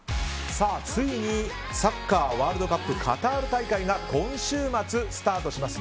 ついにサッカーワールドカップカタール大会が今週末スタートします。